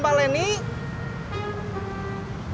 udah jalan ya mbak